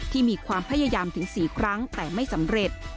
มีความพยายามถึง๔ครั้งแต่ไม่สำเร็จ